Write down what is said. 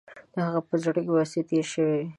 د هغې په زړه کې به څه تیر شوي وي.